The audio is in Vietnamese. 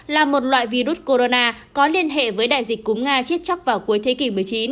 là một loại virus corona có liên hệ với đại dịch cúm nga chết chắc vào cuối thế kỷ một mươi chín